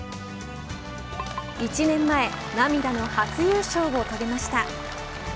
１年前涙の初優勝を遂げました。